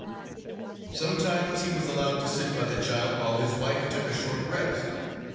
Sometimes he was allowed to sit by the child while his wife took a short rest.